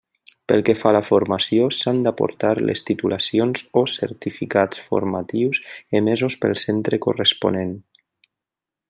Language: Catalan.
Pel que fa a la formació, s'han d'aportar les titulacions o certificats formatius emesos pel centre corresponent.